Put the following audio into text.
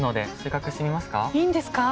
いいんですか？